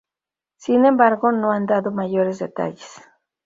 Sin embargo, no han dado mayores detalles.